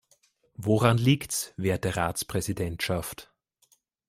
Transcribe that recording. Woran liegt's, werte Ratspräsidentschaft?